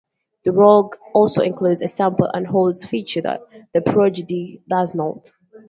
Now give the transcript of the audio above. The Rogue also includes a Sample-and-Hold feature that the Prodigy does not.